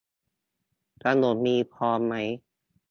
ถนนมีพร้อมไหม